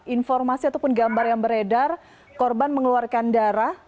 informasi ataupun gambar yang beredar korban mengeluarkan darah